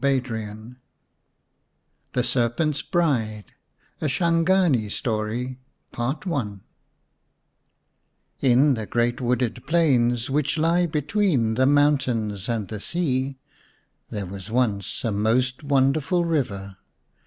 77 VIII THE SERPENT'S BRIDE A SHANGANI STORY PART I IN the great wooded plains which lie between the mountains and the sea there was once a most wonderful river.